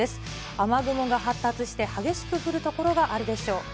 雨雲が発達して激しく降る所があるでしょう。